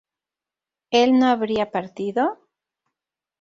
¿él no habría partido?